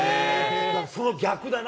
その逆だな。